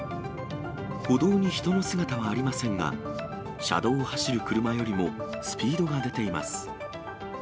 歩道に人の姿はありませんが、車道を走る車よりもスピードが出ています。